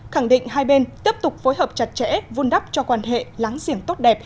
khẳng định hai bên tiếp tục phối hợp chặt chẽ vun đắp cho quan hệ láng giềng tốt đẹp